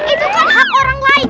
itu kan hak orang lain